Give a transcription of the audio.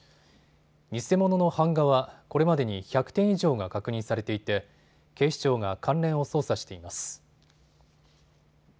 偽物の版画はこれまでに１００点以上が確認されていて警視庁が関連を捜査しています。